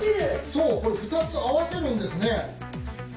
そうこれ２つ合わせるんですね。